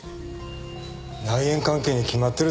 内縁関係に決まってるでしょう。